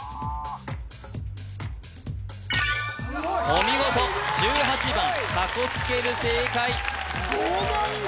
お見事１８番かこつける正解後上さん！